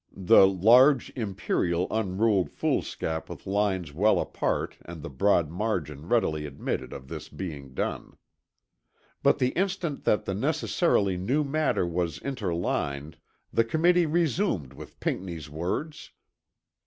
(The large imperial unruled foolscap with lines well apart and the broad margin readily admitted of this being done.) But the instant that the necessarily new matter was interlined, the Committee resumed with Pinckney's words.